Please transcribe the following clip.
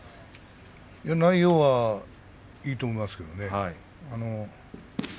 内容はいいと思いますけどね。